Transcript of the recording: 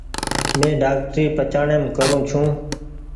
مين ڊآڪٽري پچآڻيم ڪرو ڇو۔